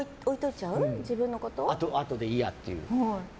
あとでいいやっていう。